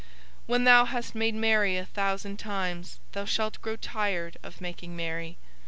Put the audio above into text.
When thou hast made merry a thousand times thou shalt grow tired of making merry.